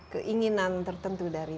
keinginan tertentu dari